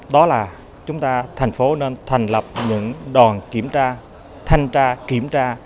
đó là chúng ta thành phố nên thành lập những đoàn kiểm tra thanh tra kiểm tra